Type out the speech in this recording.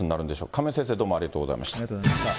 亀井先生、どうもありがとうございました。